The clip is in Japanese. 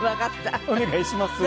お願いします。